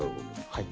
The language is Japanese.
はい。